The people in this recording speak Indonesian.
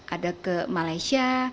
ada ke malaysia